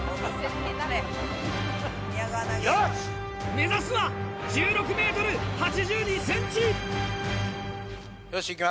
目指すは１６ｍ８２ｃｍ。